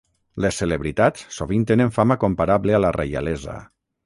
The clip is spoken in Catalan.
Les celebritats sovint tenen fama comparable a la reialesa.